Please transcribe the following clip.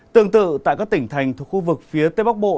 tương tự tại các tỉnh thành thuộc khu vực phía tây bắc bộ